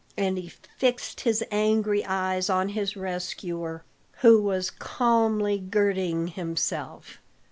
And he fixed his angry eyes on his rescuer, who was calmly girding himself.